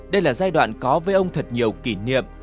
đây là giai đoạn có với ông thật nhiều kỷ niệm